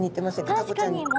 タコちゃんに。